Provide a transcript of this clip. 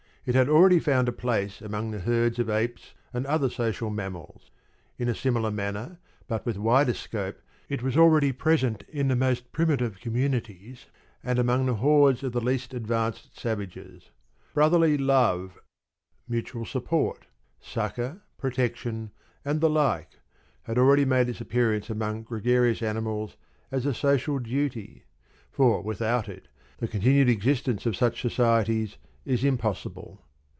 It had already found a place among the herds of apes and other social mammals; in a similar manner, but with wider scope, it was already present in the most primitive communities and among the hordes of the least advanced savages. Brotherly love mutual support, succour, protection, and the like had already made its appearance among gregarious animals as a social duty; for without it the continued existence of such societies is impossible.